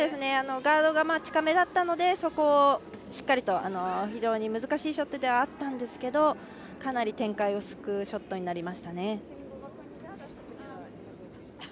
ガードが近めだったのでそこをしっかりと非常に難しいショットではあったんですけどかなり展開を救うショットになりましたね。